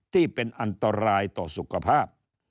ที่เป็นอันตรายต่อสุขภาพ